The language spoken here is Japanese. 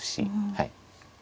はい。